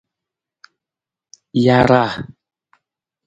Jaaraa.